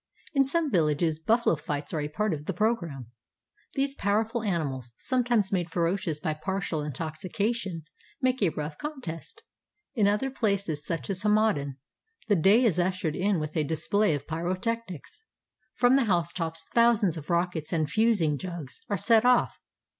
In some vil lages buflalo fights are a part of the programme. These powerful animals, sometimes made ferocious by partial intoxication, make a rough contest. In other places, such as Hamadan, the day is ushered in with a display of p)n:o technics. From the housetops thousands of rockets and "fusing jugs" are set off.